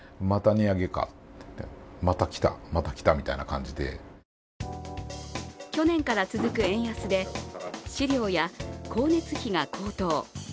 その理由は去年から続く円安で飼料や光熱費が高騰。